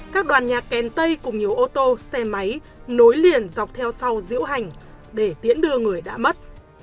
các đoàn nhạc kèn tây cùng nhiều ô tô xe máy nối liền dọc theo sau diễu hành để tiễn đưa người đã mất